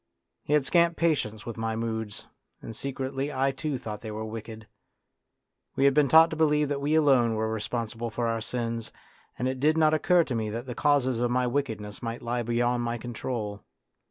He had scant patience with my moods, and secretly I too thought they were wicked. We had been taught to believe that we alone were responsible for our sins, and it did not occur to me that the causes of my wickedness might lie beyond my control.